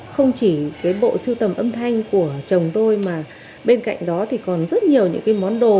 không chỉ cái bộ sưu tầm âm thanh của chồng tôi mà bên cạnh đó thì còn rất nhiều những cái món đồ